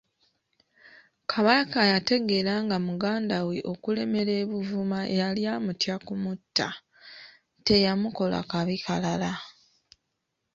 Kabaka yategeera nga mugandawe okulemera e Buvuma yali amutya kumutta, teyamukola kabi kalala.